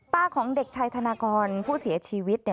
ของเด็กชายธนากรผู้เสียชีวิต